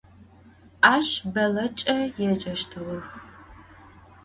Ащ Бэллэкӏэ еджэщтыгъэх.